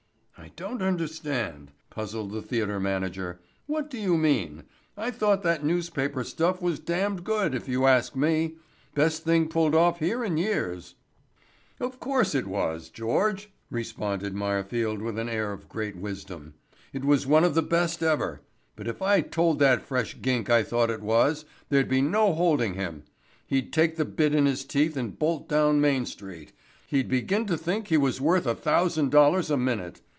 "I don't understand," puzzled the theatre manager. "What do you mean? I thought that newspaper stuff was damned good, if you ask me. Best thing pulled off here in years." "Of course it was George," responded Meyerfield with an air of great wisdom. "It was one of the best ever, but if I told that fresh gink I thought it was, there'd be no holding him. He'd take the bit in his teeth and bolt down Main street. He'd begin to think he was worth a thousand dollars a minute.